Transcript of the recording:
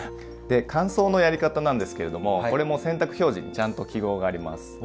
で乾燥のやり方なんですけれどもこれも洗濯表示にちゃんと記号があります。